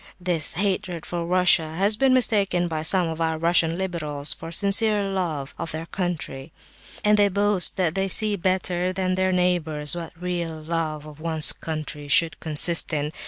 This hatred for Russia has been mistaken by some of our 'Russian liberals' for sincere love of their country, and they boast that they see better than their neighbours what real love of one's country should consist in.